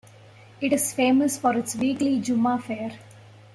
It is famous for its weekly "Jumma" fair.